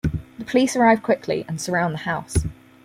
The police arrive quickly and surround the house.